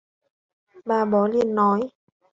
Bà bói liền nói